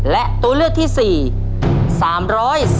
และตัวเลือกที่สี่๓๓๕ตารางกิโลเมตร